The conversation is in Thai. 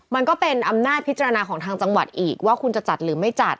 มันก็เป็นอำนาจพิจารณาของทางจังหวัดอีกว่าคุณจะจัดหรือไม่จัด